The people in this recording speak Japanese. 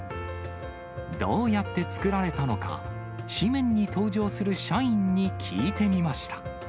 どうやって作られたのか、誌面に登場する社員に聞いてみました。